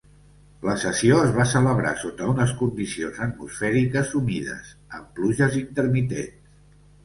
La sessió es va celebrar sota unes condicions atmosfèriques humides amb pluges intermitents.